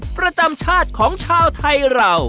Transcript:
ประจำชาติของชาวไทยเรา